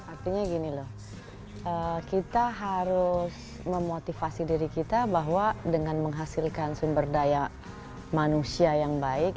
artinya gini loh kita harus memotivasi diri kita bahwa dengan menghasilkan sumber daya manusia yang baik